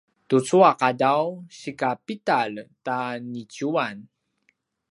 tucu a qadaw sika pidalj ta niciuan?